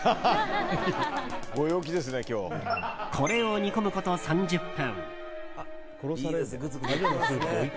これを煮込むこと３０分。